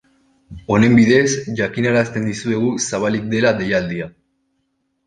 Honen bidez, jakinarazten dizuegu zabalik dela deialdia.